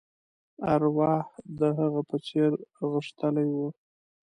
ارواح د هغه په څېر غښتلې وه.